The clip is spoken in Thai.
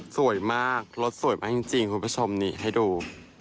สวยมากรถสวยมากจริงคุณผู้ชมนี่ให้ดู